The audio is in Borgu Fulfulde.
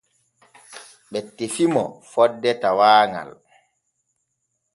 Ɓe tefi mo fonde tawaaŋal.